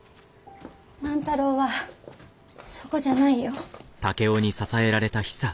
万太郎はそこじゃないよ。